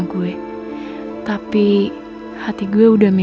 ini tutup lagu baru jmb